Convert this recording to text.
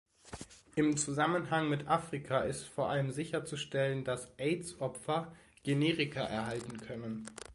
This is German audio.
Im Zusammenhang mit Afrika ist vor allem sicherzustellen, dass Aids-Opfer Generika erhalten können.